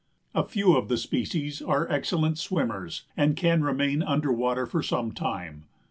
A few of the species are excellent swimmers and can remain under water for some time.